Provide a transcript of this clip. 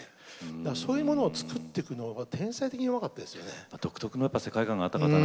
そういうものを作っていくのが天才的にうまかったですよね。